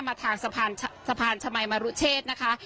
มาทางสะพานชมัยมรุเชษนะคะ